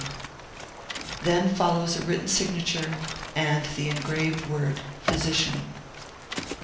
Then follows a writ ten signature and the engraved word '* Physician."